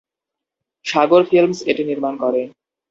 সাগর films এটি নির্মাণ করে।